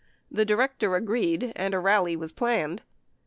The director agreed, and a rally was planned.